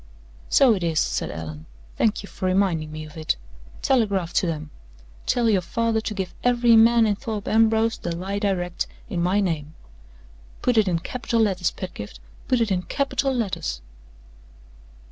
"So it is," said Allan. "Thank you for reminding me of it. Telegraph to them! Tell your father to give every man in Thorpe Ambrose the lie direct, in my name. Put it in capital letters, Pedgift put it in capital letters!"